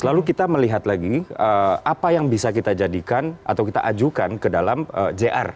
lalu kita melihat lagi apa yang bisa kita jadikan atau kita ajukan ke dalam jr